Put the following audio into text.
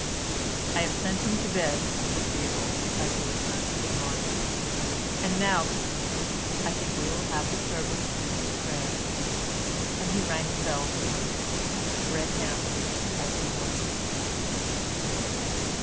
"I have sent him up to bed," said Theobald, as he returned to the drawing room, "and now, Christina, I think we will have the servants in to prayers," and he rang the bell for them, red handed as he was.